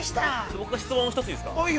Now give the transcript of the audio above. ◆僕質問１ついいですか。